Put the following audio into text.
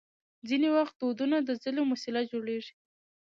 ځینې وخت دودونه د ظلم وسیله جوړېږي.